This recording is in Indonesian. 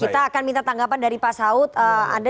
kita akan minta tanggapan dari pak saud